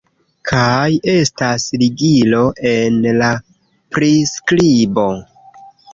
kaj estas ligilo en la priskribo